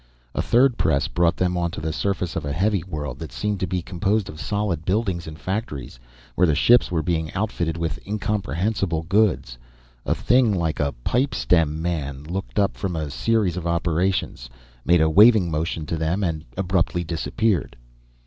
A third press brought them onto the surface of a heavy world that seemed to be composed of solid buildings and factories, where the ships were being outfitted with incomprehensible goods. A thing like a pipe stem man looked up from a series of operations, made a waving motion to them, and abruptly disappeared.